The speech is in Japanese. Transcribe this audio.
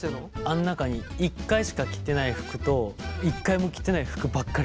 あん中に１回しか着てない服と１回も着てない服ばっかりなんだって。